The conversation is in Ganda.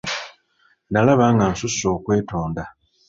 Nalaba nga nsusse okwetonda.